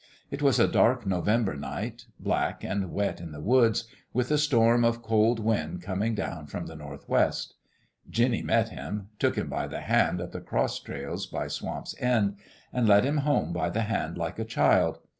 It was a dark November night black and wet in the woods with a storm of cold wind coming down from the Northwest. Jinny met him took him by the hand at the cross trails by Swamp's End and led him home by the hand like a child.